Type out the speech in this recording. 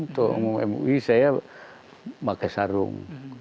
untuk umum mui saya pakai sarung